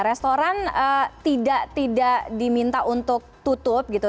restoran tidak diminta untuk tutup gitu